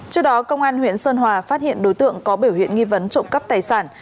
trước đó công an huyện sơn hòa phát hiện đối tượng có biểu hiện nghi vấn trộm cắp tài sản